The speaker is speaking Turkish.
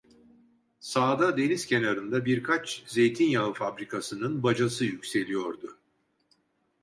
Sağda, deniz kenarında birkaç zeytinyağı fabrikasının bacası yükseliyordu.